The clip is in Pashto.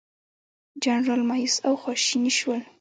جنرالان مأیوس او خواشیني شول.